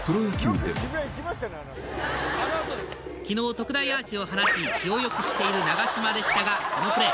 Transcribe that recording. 昨日特大アーチを放ち気を良くしている長嶋でしたがこのプレー。